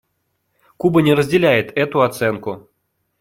Куба не разделяет эту оценку.